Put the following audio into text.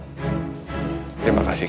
terima kasih ki